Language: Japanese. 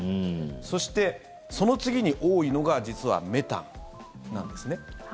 そして、その次に多いのが実はメタンなんですね。